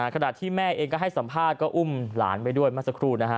ขณะที่แม่เองก็ให้สัมภาษณ์ก็อุ้มหลานไปด้วยเมื่อสักครู่นะฮะ